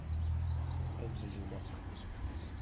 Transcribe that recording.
qavlunaq